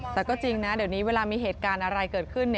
แต่ก็จริงนะเดี๋ยวนี้เวลามีเหตุการณ์อะไรเกิดขึ้น